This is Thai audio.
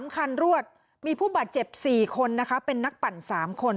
๓คันรวดมีผู้บาดเจ็บ๔คนนะคะเป็นนักปั่น๓คน